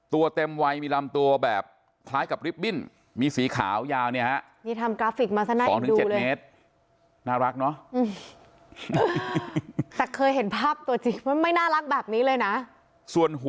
ตัวเต็มวัยมีลำตัวแบบคล้ายกับลิฟต์บิ้นมีสีขาวยาวเนี่ยฮะ